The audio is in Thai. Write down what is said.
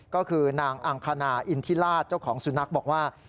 ก็คือนางอังคณาอินทิราชเจ้าของสุนัขบอกว่า